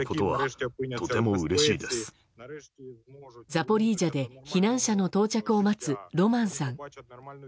ザポリージャで避難者の到着を待つロマンさん。